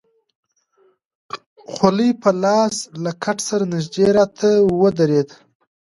خولۍ په لاس له کټ سره نژدې راته ودرېد.